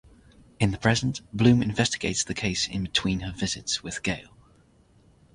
In the present, Bloom investigates the case in between her visits with Gale.